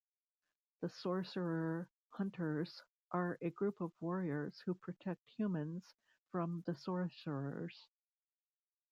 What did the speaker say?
The Sorcerer Hunters are a group of warriors who protect humans from the Sorcerers.